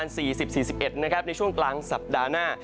ในช่วงกลางสัปดาห์หน้า